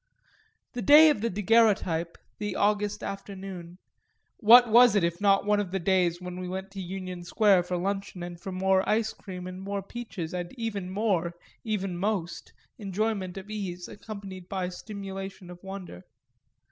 The day of the daguerreotype, the August afternoon, what was it if not one of the days when we went to Union Square for luncheon and for more ice cream and more peaches and even more, even most, enjoyment of ease accompanied by stimulation of wonder?